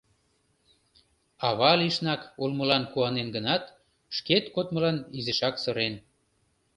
Ава лишнак улмылан куанен гынат, шкет кодмылан изишак сырен.